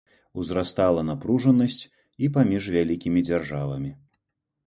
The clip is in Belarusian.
Узрастала напружанасць і паміж вялікімі дзяржавамі.